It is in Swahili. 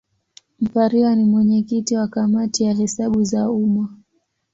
Mpariwa ni mwenyekiti wa Kamati ya Hesabu za Umma.